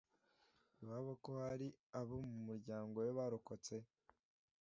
Iwabo ko hari abo mu muryango we barokotse,